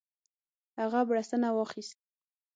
هغه بړستنه واخیست.